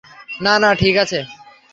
না না, ঠিক আছে!